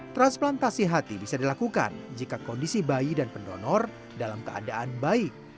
transplantasi hati bisa dilakukan jika kondisi bayi dan pendonor dalam keadaan baik